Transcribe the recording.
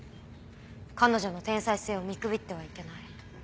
彼女の天才性を見くびってはいけない。